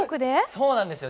そうなんですよ